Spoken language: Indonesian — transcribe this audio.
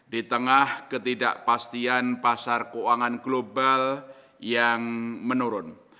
di tengah ketidakpastian pasar keuangan global yang menurun